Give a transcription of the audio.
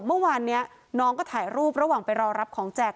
เมื่อวานนี้น้องก็ถ่ายรูประหว่างไปรอรับของแจก